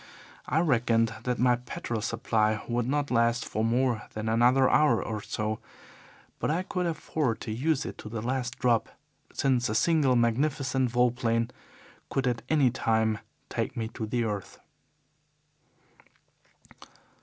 I reckoned that my petrol supply would not last for more than another hour or so, but I could afford to use it to the last drop, since a single magnificent vol plane could at any time take me to the earth.